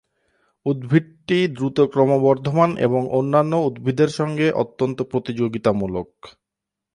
উদ্ভিদটি দ্রুত ক্রমবর্ধমান এবং অন্যান্য উদ্ভিদের সঙ্গে অত্যন্ত প্রতিযোগিতামূলক।